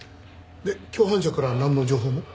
で共犯者からはなんの情報も？